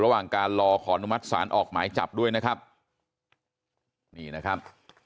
ระหว่างการรอขออนุมัติศาลออกหมายจับด้วยนะครับนี่นะครับ